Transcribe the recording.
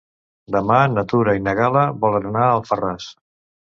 Demà na Tura i na Gal·la volen anar a Alfarràs.